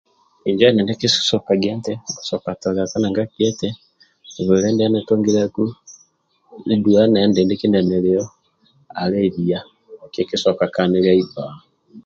Njo edindi kikitoka toliako nanga gia eti bwile ndie nitungiliaku nidie nitungiliaku duwa ne endidni kindie niliyo alebiya kikitoka kaniliai bba